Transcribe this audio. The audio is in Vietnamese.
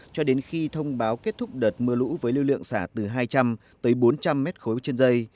cho đến khi thông báo kết thúc đợt mưa lũ với lưu lượng xả từ hai trăm linh tới bốn trăm linh mét khối trên dây